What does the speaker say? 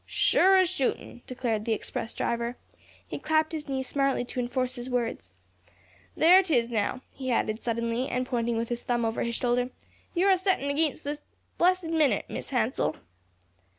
"Sure as shootin'," declared the express driver. He clapped his knee smartly to enforce his words. "There 'tis now," he added suddenly, and pointing with his thumb over his shoulder; "you're a settin' ag'inst it this blessed minute, Mis' Hansell."